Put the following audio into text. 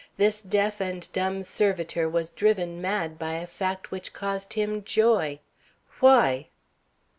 This deaf and dumb servitor was driven mad by a fact which caused him joy. Why?